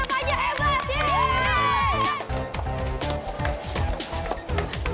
wah gue gak ngerti